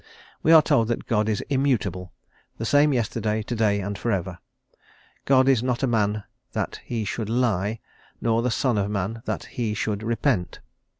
We are told that God is immutable, "the same yesterday, to day, and for ever;" "God is not a man that he should lie, nor the son of man that he should repent."